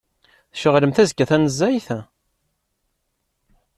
Tceɣlemt azekka tanezzayt?